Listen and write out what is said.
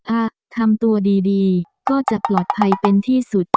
อ่ะทำตัวดีก็จะปลอดภัยเป็นที่สุด